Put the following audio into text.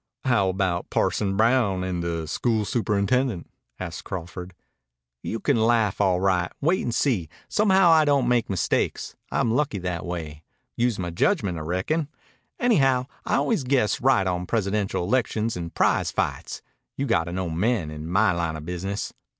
"How about Parson Brown and the school superintendent?" asked Crawford. "You can laugh. All right. Wait and see. Somehow I don't make mistakes. I'm lucky that way. Use my judgment, I reckon. Anyhow, I always guess right on presidential elections and prize fights. You got to know men, in my line of business.